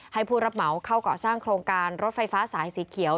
ผู้รับเหมาเข้าเกาะสร้างโครงการรถไฟฟ้าสายสีเขียว